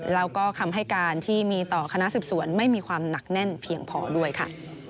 แล้วก็คำให้การที่มีต่อคณะสืบสวนไม่มีความหนักแน่นเพียงพอด้วยค่ะ